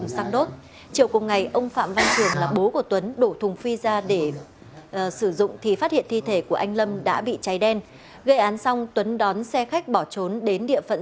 xin chào tất cả các bạn